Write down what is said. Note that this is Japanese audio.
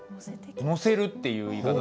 「のせる」っていう言い方。